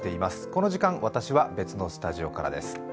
この時間、私は別のスタジオからです。